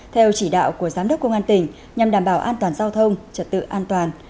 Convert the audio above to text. theo chỉ đạo của giám đốc công an tỉnh nhằm đảm bảo an toàn giao thông trật tự an toàn